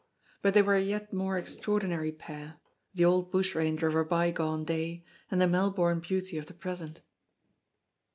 But they were a yet more extraordinary pair, the old bushranger of a bygone day, and the Melbourne beauty of the present.